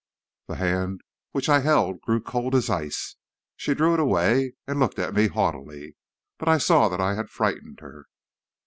"The hand which I held grew cold as ice. She drew it away and looked at me haughtily, but I saw that I had frightened her.